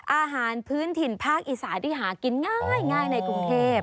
อาหารพื้นถิ่นภาคอีสานที่หากินง่ายในกรุงเทพ